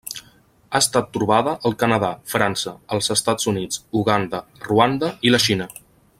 Ha estat trobada al Canadà, França, els Estats Units, Uganda, Ruanda i la Xina.